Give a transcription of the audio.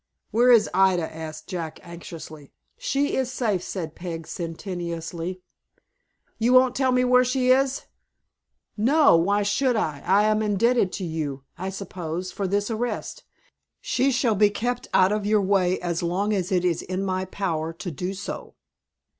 "Where is Ida?" asked Jack, anxiously. "She is safe," said Peg, sententiously. "You won't tell me where she is?" "No. Why should I? I am indebted to you, I suppose, for this arrest. She shall be kept out of your way as long as it is in my power to do so."